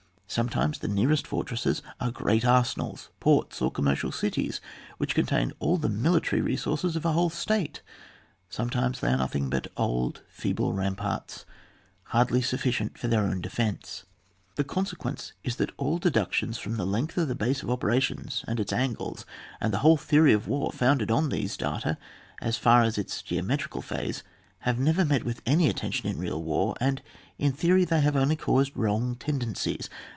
Sometimes the nearest fortresses are great arsenals, ports, or commercial cities, which con tain all the military resources of a whole state, sometimes they are nothing but old, feeble ramparts, hardly Bu£B.cient for their own defence. The consequence is that all deductions from the length of the base of operations and its angles, and the whole Uieoiy of war founded on these data, as far as its geometrical phase, have never met with any attention in real war, and in theory they have only caused wrong tendencies.